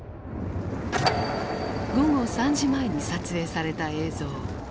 午後３時前に撮影された映像。